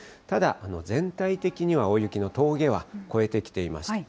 ただ全体的には大雪の峠は越えてきています。